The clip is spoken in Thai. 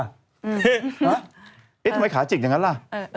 เอ๊ะทำไมขาจิกอย่างนั้นล่ะ